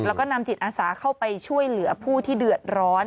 แล้วก็นำจิตอาสาเข้าไปช่วยเหลือผู้ที่เดือดร้อน